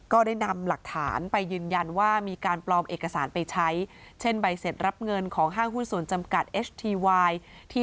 ก็ได้นำหลักฐานไปยืนว่ามีการปลอมเอกสารไปใช้